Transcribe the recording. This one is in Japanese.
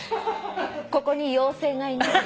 ここに妖精がいます。